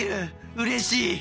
うれしい！